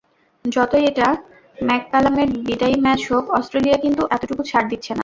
যতই এটা ম্যাককালামের বিদায়ী ম্যাচ হোক, অস্ট্রেলিয়া কিন্তু এতটুকু ছাড় দিচ্ছে না।